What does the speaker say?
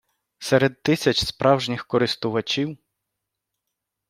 серед тисяч справжніх користувачів